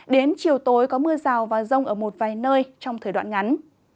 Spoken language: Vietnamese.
đến chiều tối có mưa rào và rông ở một vài nơi trong thời đoạn ngắn